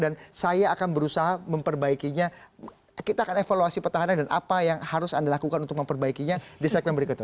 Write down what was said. dan saya akan berusaha memperbaikinya kita akan evaluasi petahana dan apa yang harus anda lakukan untuk memperbaikinya di segmen berikutnya